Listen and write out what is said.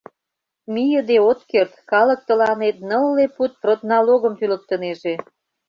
Мийыде от керт, калык тыланет нылле пуд продналогым тӱлыктынеже...